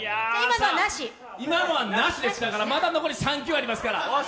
今のはなしです、まだ残り３球ありますから。